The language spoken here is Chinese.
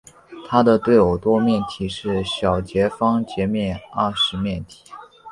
它的对偶多面体是小斜方截半二十面体。